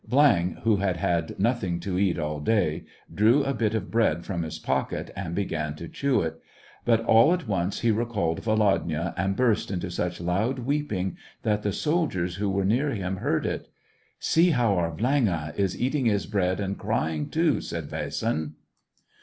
Viang, who had had nothing to eat all day, drew a bit of bread from his pocket, and began to chew it ; but all at once he recalled Volodya, and burst into such loud weeping that the soldiers who were near him heard it. " See how our Vlang^ * is eating his bread and crying too," said Vasin.